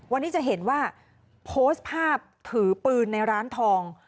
วันนี้จะเห็นว่าโพสต์ภาพถือปืนในร้านทอง